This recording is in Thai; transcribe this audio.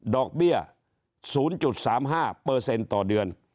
อกเบี้ย๐๓๕ต่อเดือน